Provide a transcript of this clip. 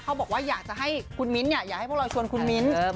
เขาบอกว่าอยากจะให้ใครพูดแบบนี้อยากให้พวกเราชวนคุณมิ๊นท์